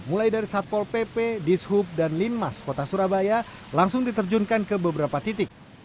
mulai dari satpol pp dishub dan linmas kota surabaya langsung diterjunkan ke beberapa titik